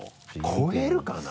超えるかな？